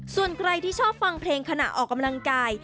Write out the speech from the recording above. ส่วนใครที่ชอบฟังเพลงขณะออกกำลังกาย